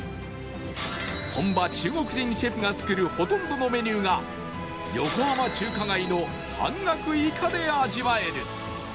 本場中国人シェフが作るほとんどのメニューが横浜中華街の半額以下で味わえる